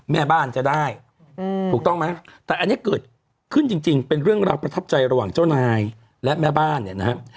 แม่บ้านจะได้ถูกต้องไหมแต่อันนี้เกิดขึ้นจริงเป็นเรื่องราวประทับใจระหว่างเจ้านายและแม่บ้านเนี่ยนะครับ